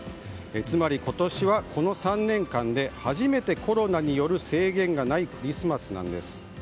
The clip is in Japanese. つまり今年はこの３年間で初めてコロナによる制限がないクリスマスなんです。